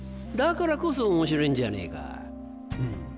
だからこそ面白いんじゃねえか。